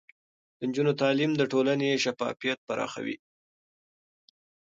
د نجونو تعليم د ټولنې شفافيت پراخوي.